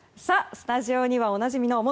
スタジオにはおなじみの元